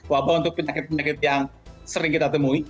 wabah untuk penyakit penyakit yang sering kita temui